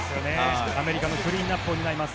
アメリカのクリーンアップを担います。